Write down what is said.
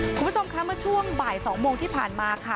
คุณผู้ชมคะเมื่อช่วงบ่าย๒โมงที่ผ่านมาค่ะ